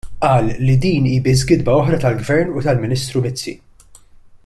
Qal li din hi biss gidba oħra tal-Gvern u tal-Ministru Mizzi.